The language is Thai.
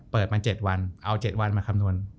เปิดมา๗วันเอา๗วันมาคำนวณ